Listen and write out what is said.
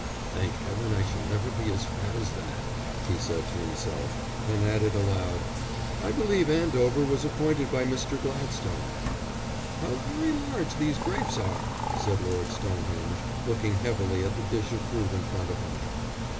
"Thank heaven, I shall never be as fat as that," he said to himself, and added aloud: "I believe Andover was appointed by Mr. Gladstone." "How very large these grapes are!" said Lord Stonehenge, looking heavily at the dish of fruit in front of him.